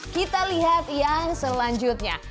kita lihat yang selanjutnya